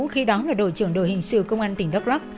khi đó là đội trưởng đội hình sự công an tỉnh đắk lắc